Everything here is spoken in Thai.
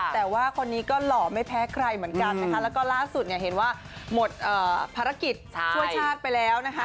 แต่ว่าคนนี้ก็หล่อไม่แพ้ใครเหมือนกันนะคะแล้วก็ล่าสุดเนี่ยเห็นว่าหมดภารกิจช่วยชาติไปแล้วนะคะ